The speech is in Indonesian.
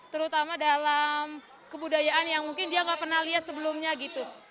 terutama dalam kebudayaan yang mungkin dia nggak pernah lihat sebelumnya gitu